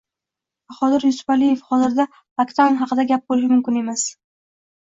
Bahodir Yusupaliyev: Hozircha lokdaun haqida gap bo‘lishi mumkin emas